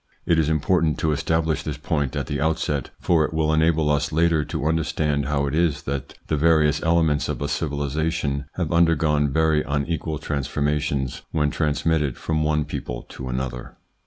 It is important to establish this point at the outset, for it will enable us later to understand how it is that the various elements of a civilisation have undergone very un equal transformations when transmitted from one people to another.